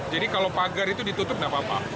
jadi kalau pagar itu ditutup tidak apa apa